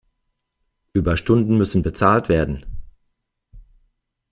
Überstunden müssen bezahlt werden.